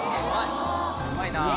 うまいなあ。